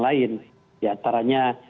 lain ya antaranya